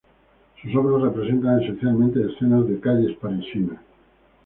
Sus obras representan esencialmente escenas de calles parisinas.